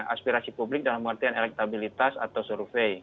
aspirasi publik dalam artian elektabilitas atau survei